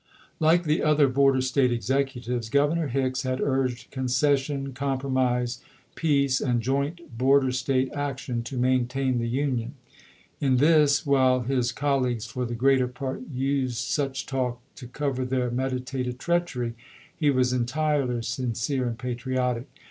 Like the other border State executives. Governor Hicks had urged concession, compromise, peace, and joint border State action to maintain the 94 ABRAHAM LINCOLN Chap. V. Union. In this, while his colleagues for the greater part used such talk to cover their meditated treachery, he was entirely sincere and patriotic.